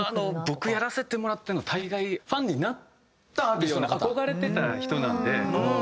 僕やらせてもらってるの大概ファンになるような憧れてた人なんで。